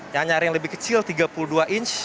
yang nyari yang lebih kecil tiga puluh dua inch